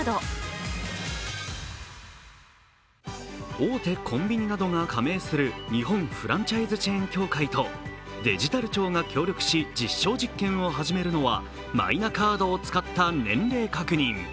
大手コンビニなどが加盟する日本フランチャイズチェーン協会とデジタル庁が協力し実証実験を始めるのはマイナカードを使った年齢確認。